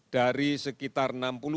dari sekitar enam puluh tujuh